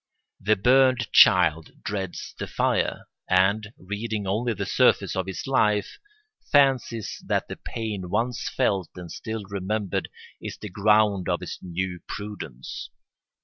The burned child dreads the fire and, reading only the surface of his life, fancies that the pain once felt and still remembered is the ground of his new prudence.